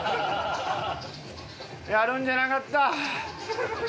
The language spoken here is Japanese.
やるんじゃなかった。